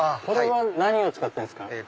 これは何を使ってるんですか？